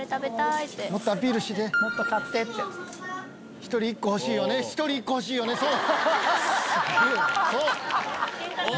１人１個欲しいよね、１人１個欲しいよね、そう！